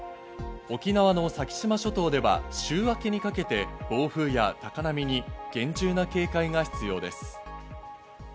沖縄の先島諸島では週明けにかけて暴風や高波に厳重な警戒が必要です。